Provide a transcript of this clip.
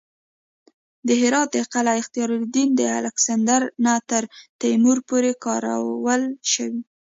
د هرات د قلعه اختیارالدین د الکسندر نه تر تیمور پورې کارول شوې